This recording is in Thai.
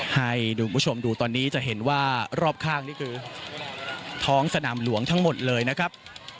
ให้คุณผู้ชมดูตอนนี้จะเห็นว่ารอบข้างนี่คือท้องสนามหลวงทั้งหมดเลยนะครับ